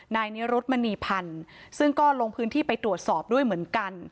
นายนิรุธมณีพันธ์ซึ่งก็ลงพื้นที่ไปตรวจสอบด้วยเหมือนกัน